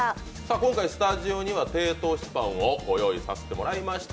今回スタジオには低糖質パンを御用意させてもらいました。